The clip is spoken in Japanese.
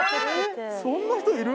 そんな人いる？